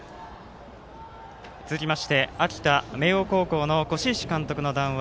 続きまして、秋田・明桜の輿石監督の談話。